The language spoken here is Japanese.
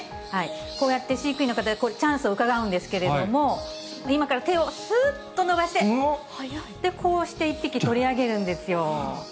こうやって飼育員の方がチャンスをうかがうんですけれども、今から手をすっと伸ばして、こうして１匹取り上げるんですよ。